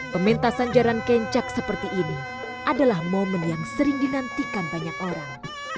pementasan jaran kencak seperti ini adalah momen yang sering dinantikan banyak orang